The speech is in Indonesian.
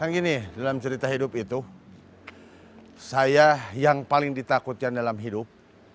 gini dalam cerita hidup itu saya yang paling ditakutkan dalam hidup